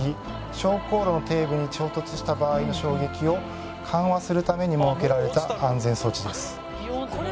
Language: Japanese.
昇降路の底部に衝突した場合の衝撃を緩和するために設けられた安全装置です。